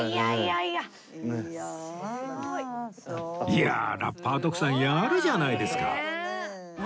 いやあラッパー徳さんやるじゃないですか